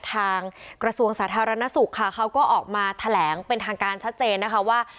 กระทรวงสาธารณสุขค่ะเขาก็ออกมาแถลงเป็นทางการชัดเจนนะคะว่า